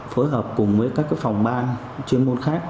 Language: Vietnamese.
phối hợp cùng với các phòng ban chuyên môn khác